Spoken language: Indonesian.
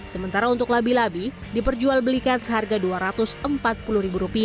sementara untuk labi labi diperjualbelikan seharga rp dua ratus empat puluh